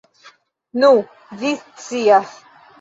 Nu, vi scias.